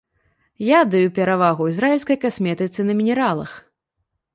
Я аддаю перавагу ізраільскай касметыцы на мінералах.